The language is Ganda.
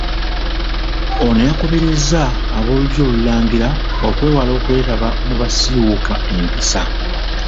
Ono yakubirizza ab'Olulyo Olulangira okwewala okwetaba mu basiiwuuka empisa .